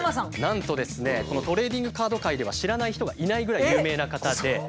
なんとですねこのトレーディングカード界では知らない人がいないぐらい有名な方で。